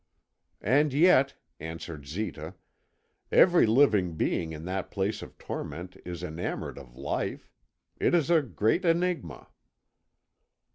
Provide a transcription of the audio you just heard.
"And yet," answered Zita, "every living being in that place of torment is enamoured of life. It is a great enigma!